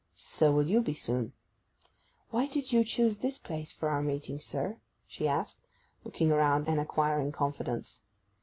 'So will you be soon.' 'Why did you choose this place for our meeting, sir?' she asked, looking around and acquiring confidence.